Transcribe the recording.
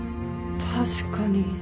確かに。